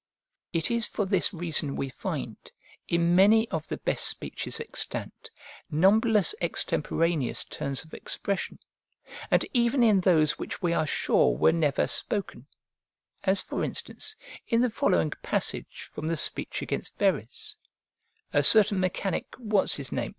It is for this reason we find, in many of the best speeches extant, numberless extemporaneous turns of expression; and even in those which we are sure were never spoken; as, for instance, in the following passage from the speech against Verres: "A certain mechanic what's his name?